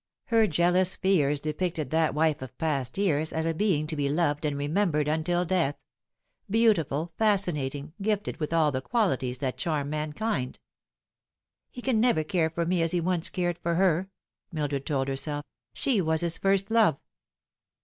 Her jealous fears depicted that wife of past years as a being to be loved arid remembered until death beautiful, fascinating, gifted with ail the qualities that charm mankind. " He can never care for me as he once cared for her," Mildred told herself. " She was his first love."